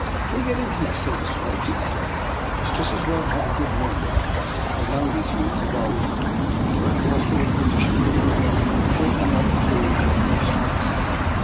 " When you get into these sort of scrapes," he said, it is just as well to have a good memory. I know these rooms of old, and directly I saw the position we were in I thought they might prove of use to us.